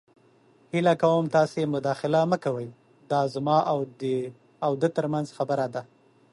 هیله کوم تاسې مداخله مه کوئ. دا زما او ده تر منځ خبره ده.